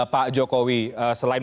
pak jokowi selain